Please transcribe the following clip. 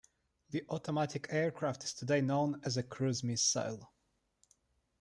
This automatic aircraft is today known as a "cruise missile".